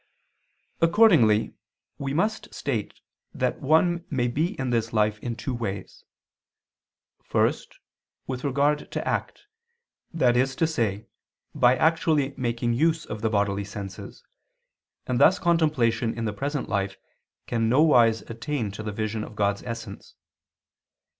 Accordingly we must state that one may be in this life in two ways. First, with regard to act, that is to say by actually making use of the bodily senses, and thus contemplation in the present life can nowise attain to the vision of God's essence.